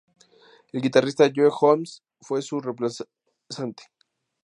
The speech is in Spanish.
El guitarrista Joe Holmes fue su reemplazante.